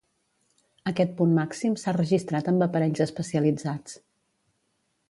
Aquest punt màxim s'ha registrat amb aparells especialitzats.